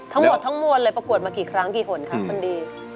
ทั้งหมดทั้งมวลเลยประกวดมากี่ครั้งกี่คนคะคนดี